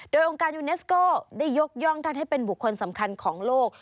โดยองค์การยูเนสโก้ได้ยกย่องท่านให้เป็นบุคคลสำคัญของโลก